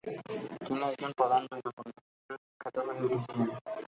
তিনি একজন প্রধান জৈন পণ্ডিত হিসাবে বিখ্যাত হয়ে উঠেছিলেন।